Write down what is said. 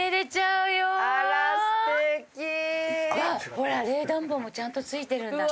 うわっほら冷暖房もちゃんと付いてるんだ。